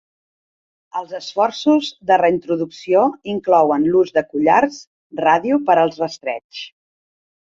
Els esforços de reintroducció inclouen l'ús de collars ràdio per al rastreig.